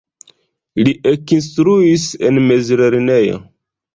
Li ekinstruis en mezlernejo.